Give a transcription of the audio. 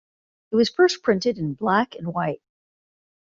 It was first printed in black and white.